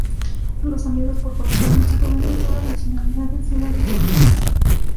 Los "amigos por correspondencia" provienen de todas las nacionalidades, edades y culturas.